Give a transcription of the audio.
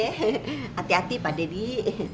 hati hati pak deddy